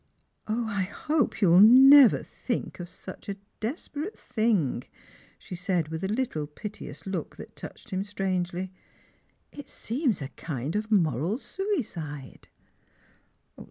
" 0, I hope you will never think of such a desperate thing," she said with a little piteous look that touched him strangely. " It seems a kind of moral suicide."